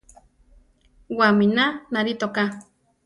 Wamína narí toká.